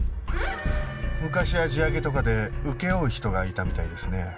昔は地上げとかで請け負う人がいたみたいですね。